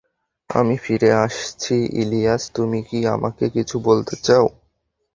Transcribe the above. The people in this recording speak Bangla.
আমি ফিরে আসছি ইলিয়াস, তুমি কি আমাকে কিছু বলতে চাও?